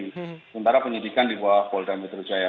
sementara penyelidikan dibawa polda metro jaya